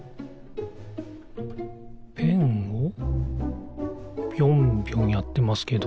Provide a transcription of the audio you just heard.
ペンをぴょんぴょんやってますけど。